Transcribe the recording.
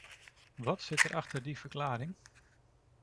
Wat zit er achter die verklaring?